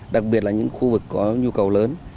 đặc biệt là những khu vực có nhu cầu lớn